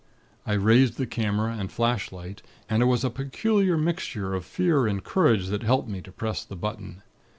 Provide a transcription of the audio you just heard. _ I raised the camera and flashlight, and it was a peculiar mixture of fear and courage that helped me to press the button.